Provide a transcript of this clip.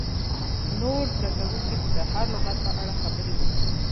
نور زده کوونکي دې د هر لغت په اړه خبرې وکړي.